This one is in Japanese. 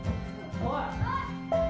おい！